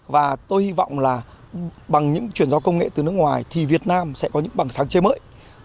và tôi hy vọng là bằng những chuyển giao công nghệ từ nước ngoài thì việt nam sẽ có những bằng sáng chế mới